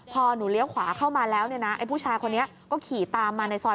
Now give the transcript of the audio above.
พอหนูเลี้ยวขวาเข้ามาแล้วเนี่ยนะไอ้ผู้ชายคนนี้ก็ขี่ตามมาในซอย